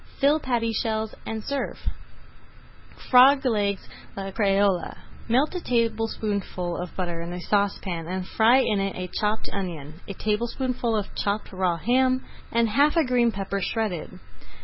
Fill patty shells and serve. [Page 159] FROG LEGS À LA CREOLE Melt a tablespoonful of butter in a saucepan and fry in it a chopped onion, a tablespoonful of chopped raw ham, and half a green pepper shredded.